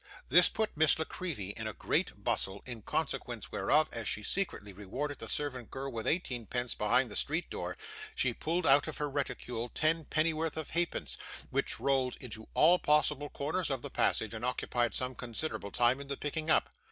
This put Miss La Creevy in a great bustle, in consequence whereof, as she secretly rewarded the servant girl with eighteen pence behind the street door, she pulled out of her reticule ten pennyworth of halfpence, which rolled into all possible corners of the passage, and occupied some considerable time in the picking up.